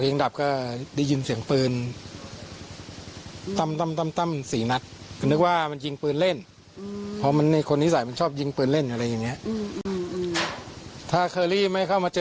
นี่สัตว์ต้นมันนี่เองได้ยินดังยังไงบ้างนะครับ